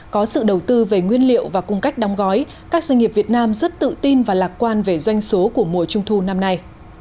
có sự đầu tư về nguyên liệu và cung cách đóng gói các doanh nghiệp việt nam rất tự tin và lạc quan về doanh số của mùa trung thu năm nay